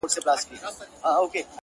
ستا خو صرف خندا غواړم چي تا غواړم.